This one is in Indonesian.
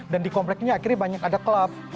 dan di kompleknya akhirnya banyak ada klub